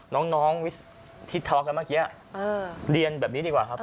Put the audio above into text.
น้องที่ท้องกันเมื่อกี้เรียนแบบนี้ดีกว่าครับ